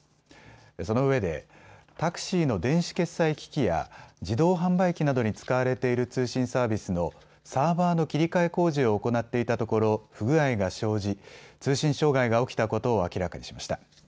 そのうえでタクシーの電子決済機器や自動販売機などに使われている通信サービスのサーバーの切り替え工事を行っていたところ不具合が生じ通信障害が起きたことを明らかにしました。